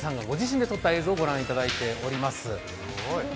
ご自身で撮った映像を御覧いただいております。